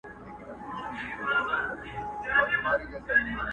o پياز څه کوم، نياز ئې څه کوم٫